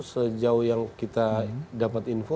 sejauh yang kita dapat info